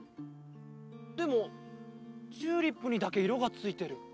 でもチューリップにだけいろがついてる。